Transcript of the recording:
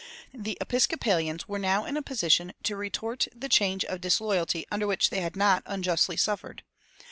The Episcopalians were now in a position to retort the charge of disloyalty under which they had not unjustly suffered.